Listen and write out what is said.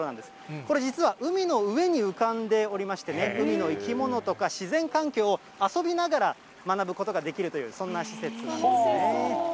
これ実は海の上に浮かんでおりましてね、海の生き物とか自然環境を遊びながら学ぶことができるという、そんな施設なんですね。